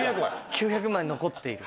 ９００枚残っている？